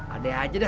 ada aja dah